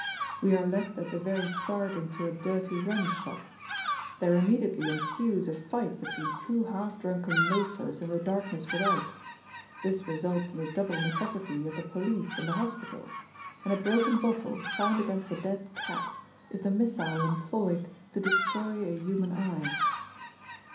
We are led at the very start into a dirty rum shop; there immediately ensues a fight between two half drunken loafers in the darkness without; this results in the double necessity of the police and the hospital; and a broken bottle, found against a dead cat, is the missile employed to destroy a human eye.